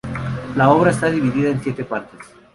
La obra está dividida en siete partes.